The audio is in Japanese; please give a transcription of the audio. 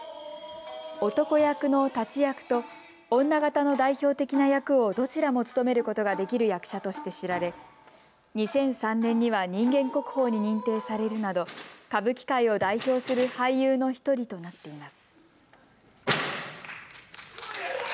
男役の立役と女方の代表的な役をどちらも務めることができる役者として知られ２００３年には人間国宝に認定されるなど歌舞伎界を代表する俳優の１人となっています。